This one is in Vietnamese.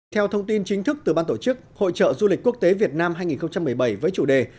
theo thông tin chính thức từ ban tổ chức hội trợ du lịch quốc tế việt nam hai nghìn một mươi bảy với chủ đề